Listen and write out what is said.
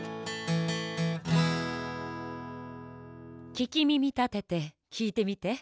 ききみみたててきいてみて！